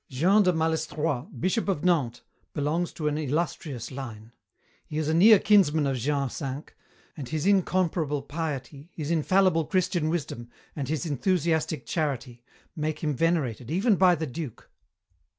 "Jean de Malestroit, Bishop of Nantes, belongs to an illustrious line. He is a near kinsman of Jean V, and his incomparable piety, his infallible Christian wisdom, and his enthusiastic charity, make him venerated, even by the duke.